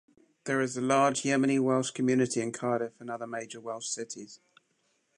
There is a large Yemeni-Welsh community in Cardiff and other major Welsh cities.